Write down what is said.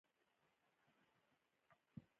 د اکبر پاچا د دغه رضاعي ورور نوم ادهم خان و.